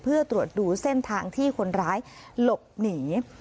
เพื่อตรวจดูเส้นทางที่คนร้ายหลบหนี